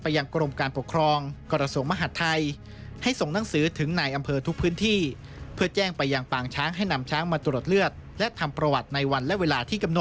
จากการสอบถามในอดิษฐ์นูธับรงค์กรองอธิบดีกรมอุทยานแห่งชาติสัตว์ป่าและผันพืชฤบรบู่ควัล